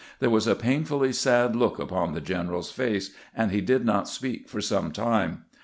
There was a painfully sad look upon the general's face, and he did not speak for some time.